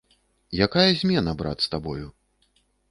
Якая змена, брат, з табою?